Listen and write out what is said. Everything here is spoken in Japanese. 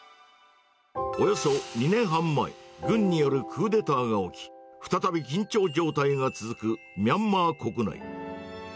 およそ２年半前、軍によるクーデターが起き、再び緊張状態が続くミャンマー国内。